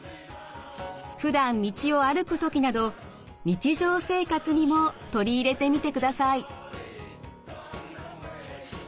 ふだん道を歩く時など日常生活にも取り入れてみてください。